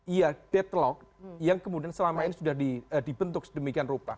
iya deadlock yang kemudian selama ini sudah dibentuk sedemikian rupa